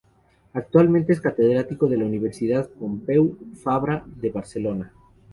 Actualmente es catedrático de la Universidad Pompeu Fabra de Barcelona.